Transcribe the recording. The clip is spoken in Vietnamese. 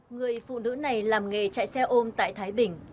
người phụ nữ này làm nghề chạy xe ôm tại thái bình